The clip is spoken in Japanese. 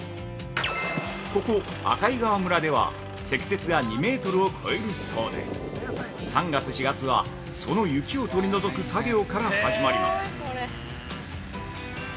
ここ赤井川村では積雪が２メートルを超えるそうで３月、４月は、その雪を取り除く作業から始まります。